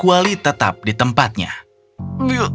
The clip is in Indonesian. selembaran kita hasilnya dua puluh empat barang